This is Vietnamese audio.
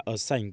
ở sân phố